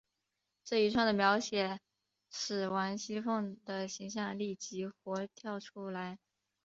这一串的描写使王熙凤的形象立即活跳出来。